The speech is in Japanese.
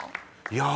いや。